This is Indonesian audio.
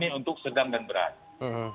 jadi untuk ringan tetap harus keseluruhan